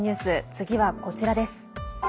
次はこちらです。